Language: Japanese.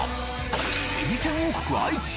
えびせん王国愛知！？